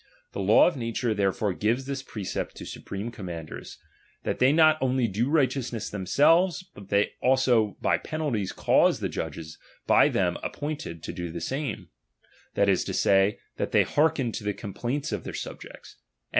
The law of nature therefore gives this precept to supreme commanders, that they not only do righteousness themselves, but that they silso by penalties cause the judges, by them ap Jiointed, to do the same ; that is to say, that they tearken to the complaints of their subjects ; and a.